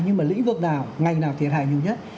nhưng mà lĩnh vực nào ngành nào thiệt hại nhiều nhất